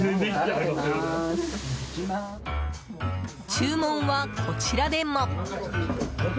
注文は、こちらでも。